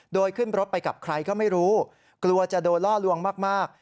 โดยขึ้นรถไปกับใครก็ไม่รู้กลัวจะโดนล่อลวงมาก